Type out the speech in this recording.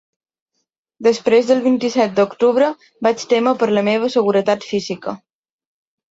Després del vint-i-set d’octubre: Vaig témer per la meva seguretat física.